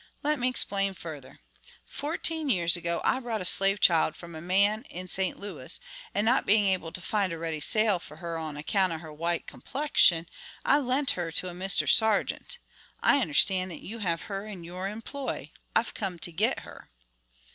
Let me explain further: Fourteen years ago I bought a slave child from a man in St. Louis, and not being able to find a ready sale for her on account of her white complexion, I lent her to a Mr. Sargeant. I understand that you have her in your employ. I've come to get her."